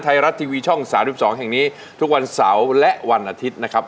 ไทยรัฐทีวีช่อง๓๒แห่งนี้ทุกวันเสาร์และวันอาทิตย์นะครับ